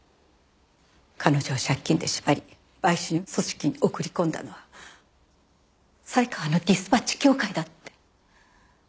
彼女を借金で縛り売春組織に送り込んだのは犀川のディスパッチ協会だって。